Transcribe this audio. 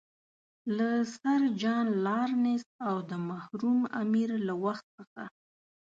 له سر جان لارنس او د مرحوم امیر له وخت څخه.